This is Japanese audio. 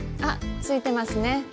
あ付いてますね。